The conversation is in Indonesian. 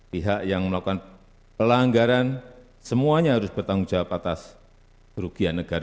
pihak yang melakukan pelanggaran semuanya harus bertanggung jawab atas kerugian negara